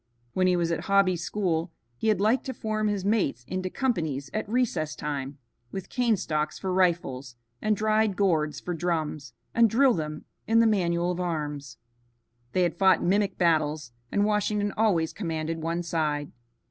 When he was at Hobby's school he had liked to form his mates into companies at recess time, with cane stalks for rifles and dried gourds for drums, and drill them in the manual of arms. They had fought mimic battles, and Washington always commanded one side.